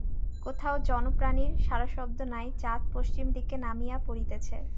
কোথাও জনপ্রাণীর সাড়াশব্দ নাই–চাঁদ পশ্চিমের দিকে নামিয়া পড়িতেছে।